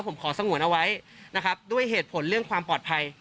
ผมขอสงวนเอาไว้นะครับด้วยเหตุผลเรื่องความปลอดภัย